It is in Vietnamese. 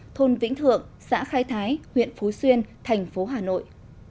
thôn vĩnh thượng xã khai thái huyện phú xuyên thành phố hà nội